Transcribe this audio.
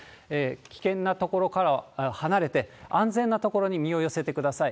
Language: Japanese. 危険な所からは離れて、安全な所に身を寄せてください。